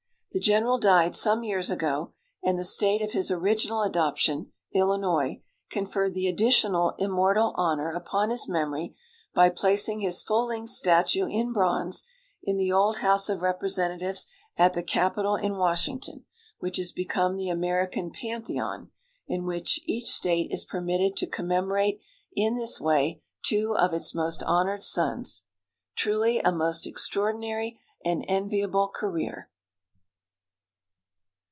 The general died some years ago, and the state of his original adoption, Illinois, conferred the additional immortal honor upon his memory by placing his full length statue in bronze in the old house of representatives at the capitol in Washington, which has become the American Pantheon, in which each state is permitted to commemorate in this way two of its most honored sons. Truly a most extraordinary and enviable career.